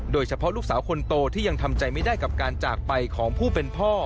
ลูกสาวคนโตที่ยังทำใจไม่ได้กับการจากไปของผู้เป็นพ่อ